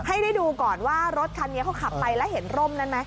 ให้ได้ดูก่อนว่ารถคันนี้เขาขับไปแล้วเห็นร่มนั้นไหม